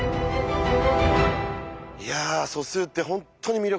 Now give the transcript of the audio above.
いや素数って本当に魅力的だなあ。